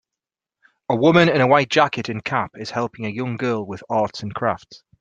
A woman in a white jacket and cap is helping a young girl with arts and crafts.